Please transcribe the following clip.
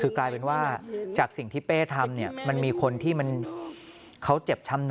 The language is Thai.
แม่อยากดูว่าไอ้คนเนี้ยมันน่าตายังไงแม่อยากดูว่าไอ้คนเนี้ยมันน่าตายังไง